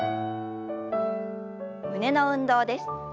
胸の運動です。